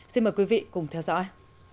xin mời quý vị cùng theo dõi